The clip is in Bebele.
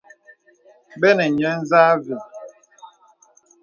Bɔ nə̀ nyə̄ nzâ və̀.